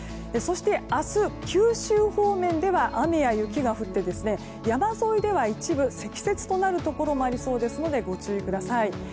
そして明日、九州方面では雨や雪が降って山沿いでは一部、積雪となるところもありそうですのでご注意ください。